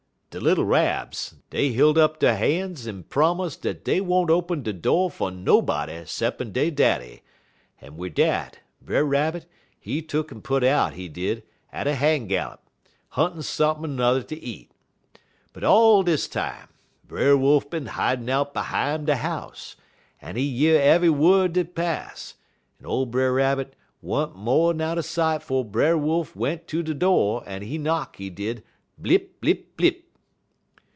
_' "De little Rabs, dey hilt up der ban's en promise dat dey won't open de do' fer nobody 'ceppin' dey daddy, en wid dat, Brer Rabbit he tuck'n put out, he did, at a han' gallop, huntin' sump'n' n'er ter eat. But all dis time, Brer Wolf bin hidin' out behime de house, en he year eve'y wud dat pass, en ole Brer Rabbit wa'n't mo'n out'n sight 'fo' Brer Wolf went ter de do', en he knock, he did, _blip, blip, blip!